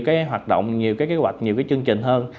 cái hoạt động nhiều cái kế hoạch nhiều cái chương trình hơn